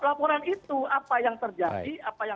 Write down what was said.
laporan itu apa yang terjadi